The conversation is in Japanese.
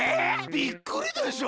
びっくりでしょ？